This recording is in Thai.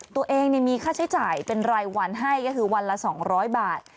ตัวเองมีค่าใช้จ่ายเป็นรายวันให้ก็คือวันละ๒๐๐บาท